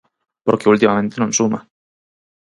Porque ultimamente non suma.